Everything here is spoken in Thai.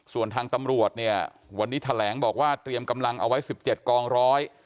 ส่วนทางตำรวจเนี่ยวันนี้แถลงบอกว่าเตรียมกำลังเอาไว้๑๗กองร้อย